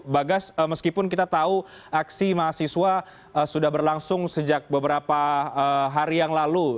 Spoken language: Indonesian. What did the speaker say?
bagas meskipun kita tahu aksi mahasiswa sudah berlangsung sejak beberapa hari yang lalu